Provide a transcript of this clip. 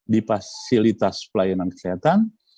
di fasilitas pelayanan kesehatan